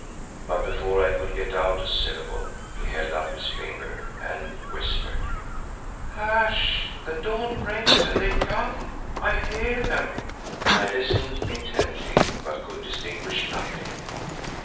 But before I could get out a syllable he held up his finger and whispered, "Hush! the dawn breaks and they come. I hear them." I listened intently but could distinguish nothing.